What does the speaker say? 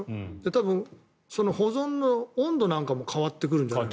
多分、保存の温度なんかも変わってくるんじゃないの。